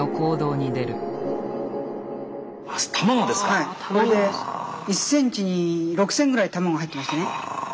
はいそれで１センチに６，０００ぐらい卵が入ってましてね。